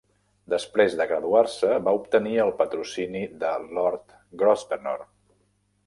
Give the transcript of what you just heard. Després de graduar-se, va obtenir el patrocini de Lord Grosvenor.